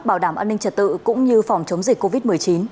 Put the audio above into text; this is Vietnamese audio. bảo đảm an ninh trật tự cũng như phòng chống dịch covid một mươi chín